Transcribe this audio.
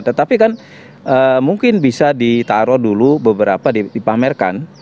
tetapi kan mungkin bisa ditaruh dulu beberapa dipamerkan